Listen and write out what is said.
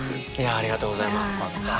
ありがとうございます。